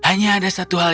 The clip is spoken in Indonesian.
kalau ibu beta statewide